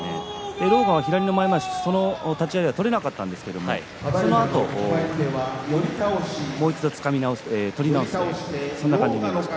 狼雅は左の前まわしが取れなかったんですがそのあと、もう一度取り直してという感じになりました。